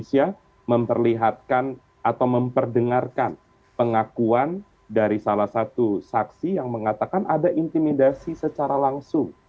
intimidasi secara langsung